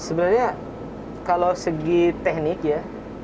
sebenarnya kalau segi teknik ya